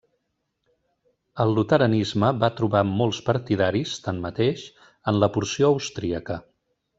El luteranisme va trobar molts partidaris, tanmateix, en la porció austríaca.